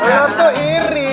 oh ya tuh iri